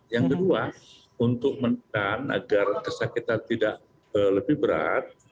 yang kedua untuk menekan agar kesakitan tidak lebih berat